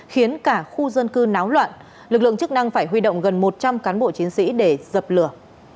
khiến cả khu dân cư náo loạn lực lượng chức năng phải huy động gần một trăm linh cán bộ chiến sĩ để dập lửa